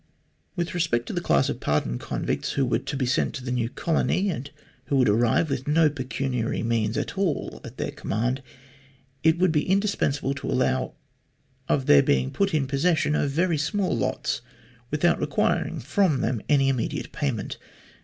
With respect to the class of pardoned convicts who were to be sent to the new colony, and who would arrive with no pecuniary means at all at their command, it would be indis pensable to allow of their being put in possession of very small lots without requiring from them any immediate payment.